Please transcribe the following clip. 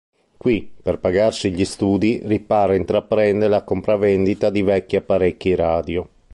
Qui, per pagarsi gli studi, ripara e intraprende la compravendita di vecchi apparecchi radio.